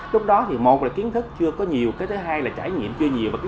lúc đó thì một là kiến thức chưa có nhiều cái thứ hai là trải nghiệm chưa nhiều